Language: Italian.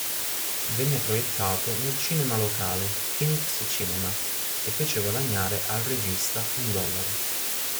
Venne proiettato nel cinema locale, Phoenix Cinema, e fece guadagnare al regista un dollaro.